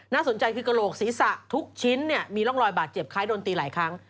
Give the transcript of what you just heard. สนใจคือกระโหลกศีรษะทุกชิ้นมีร่องรอยบาดเจ็บคล้ายโดนตีหลายครั้ง